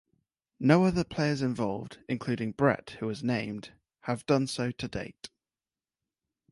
No other players involved, including Brett who was named, have done so to date.